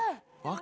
あ。